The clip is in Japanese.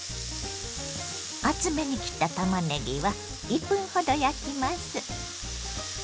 厚めに切ったたまねぎは１分ほど焼きます。